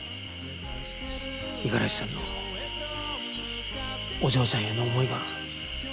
五十嵐さんのお嬢さんへの思いが事件を解決した。